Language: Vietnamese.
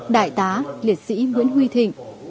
đại tá liệt sĩ nguyễn huy thịnh